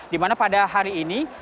dimana pada hari ini